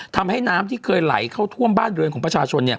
ทำให้น้ำที่เคยไหลเข้าท่วมบ้านเรือนของประชาชน